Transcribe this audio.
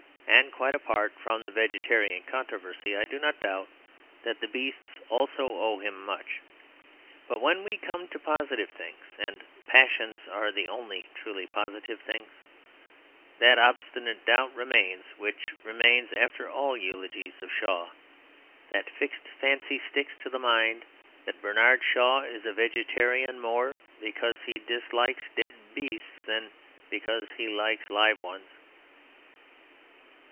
And quite apart from the vegetarian controversy, I do not doubt that the beasts also owe him much. But when we come to positive things (and passions are the only truly positive things) that obstinate doubt remains which remains after all eulogies of Shaw. That fixed fancy sticks to the mind; that Bernard Shaw is a vegetarian more because he dislikes dead beasts than because he likes live ones.